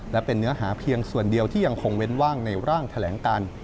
และเป็นเนื้อหาเพียงส่วนเดียวที่ยังคงเว้นว่างในร่างแถลงการ